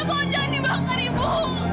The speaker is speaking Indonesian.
ibu jangan dibakar ibu